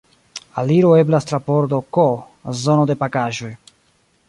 Aliro eblas tra pordo K, zono de pakaĵoj.